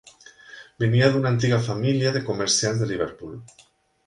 Venia d'una antiga família de comerciants de Liverpool.